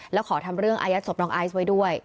แล้วขอทำเรื่องอายัดศพน้องไอซ์ไว้ด้วย